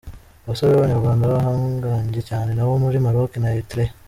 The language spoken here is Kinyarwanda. Abasore b’abanyarwanda bahanganye cyane n’abo muri Maroc na Eritrea.